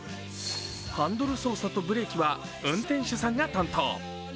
ハンドル操作とブレーキは運転手さんが担当。